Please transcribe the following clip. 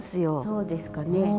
そうですかね。